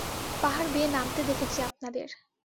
পাহাড় বেয়ে নামতে দেখেছি আপনাদের!